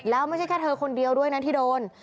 แล้วไม่ใช่แค่เธอคนเดียวด้วยนะที่โดน